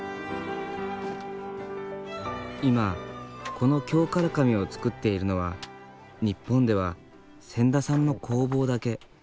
今この京唐紙を作っているのは日本では千田さんの工房だけ。